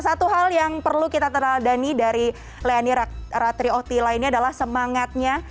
satu hal yang perlu kita terladani dari leani ratri oti lainnya adalah semangatnya